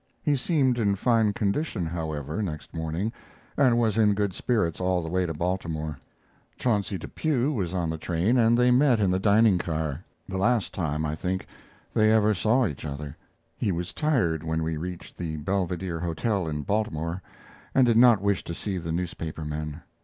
He seemed in fine condition, however, next morning and was in good spirits all the way to Baltimore. Chauncey Depew was on the train and they met in the dining car the last time, I think, they ever saw each other. He was tired when we reached the Belvedere Hotel in Baltimore and did not wish to see the newspaper men.